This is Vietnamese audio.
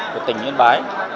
của tỉnh yên bái